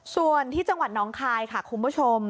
ส่วนที่จังหวัดน้องคายค่ะคุณผู้ชม